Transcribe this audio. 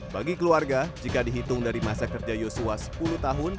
bagi keluarga jika dihitung dari masa kerja yosua sepuluh tahun